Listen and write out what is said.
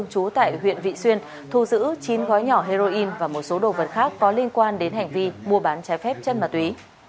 chú tại huyện vị xuyên thu giữ chín gói nhỏ heroin và một số đồ vật khác có liên quan đến hành vi mua bán trái phép chân ma túy